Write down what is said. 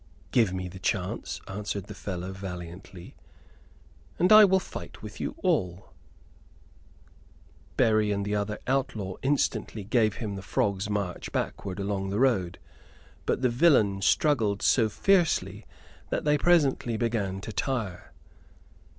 "Give me the chance," answered the fellow, valiantly, "and I will fight with you all." Berry and the other outlaw instantly gave him the frog's march backward along the road; but the villain struggled so fiercely that they presently began to tire.